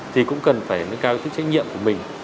thì cũng cần phải nâng cao ý thức trách nhiệm của mình